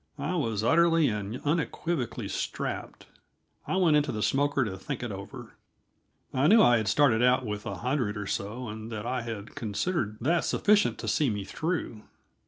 I was utterly and unequivocally strapped. I went into the smoker to think it over; I knew I had started out with a hundred or so, and that I had considered that sufficient to see me through.